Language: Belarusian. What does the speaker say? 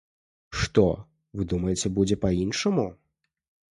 Што, вы думаеце, будзе па-іншаму?